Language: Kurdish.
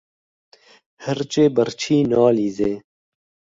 Hirçê birçî nalîze.